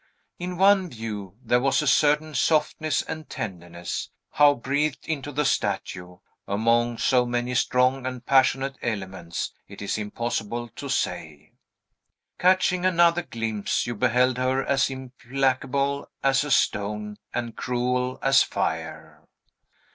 In one view, there was a certain softness and tenderness, how breathed into the statue, among so many strong and passionate elements, it is impossible to say. Catching another glimpse, you beheld her as implacable as a stone and cruel as fire.